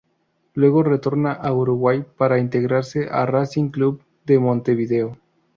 Luego retorna a Uruguay para integrarse a Racing Club de Montevideo.